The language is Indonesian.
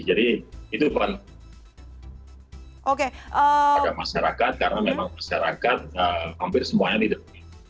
jadi itu bergantung pada masyarakat karena memang masyarakat hampir semuanya tidak